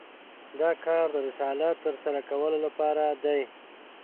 دا کار د رسالت تر سره کولو لپاره دی.